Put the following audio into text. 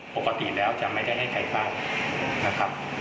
ปกติแล้วจะไม่ได้ให้ใครฟังนะครับ